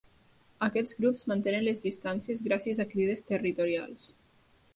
Aquests grups mantenen les distàncies gràcies a crides territorials.